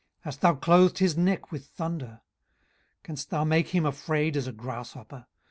hast thou clothed his neck with thunder? 18:039:020 Canst thou make him afraid as a grasshopper?